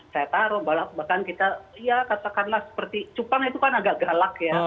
saya taruh bahkan kita ya katakanlah seperti cupang itu kan agak galak ya